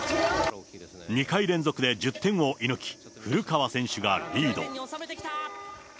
２回連続で１０点を射抜き、古川選手がリード。